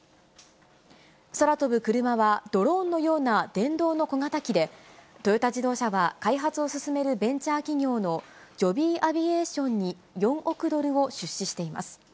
空飛ぶクルマはドローンのような電動の小型機で、トヨタ自動車は、開発を進めるベンチャー企業のジョビー・アビエーションに、４億ドルを出資しています。